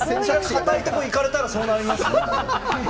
堅いところにいかれたらそうなりますよ。